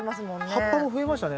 葉っぱも増えましたね。